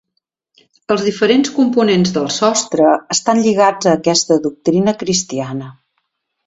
Els diferents components del sostre estan lligats a aquesta doctrina cristiana.